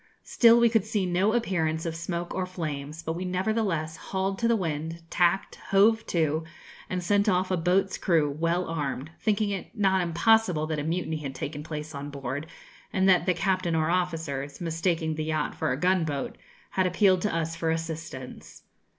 Still we could see no appearance of smoke or flames, but we nevertheless hauled to the wind, tacked, hove to, and sent off a boat's crew, well armed, thinking it not impossible that a mutiny had taken place on board and that the captain or officers, mistaking the yacht for a gunboat, had appealed to us for assistance.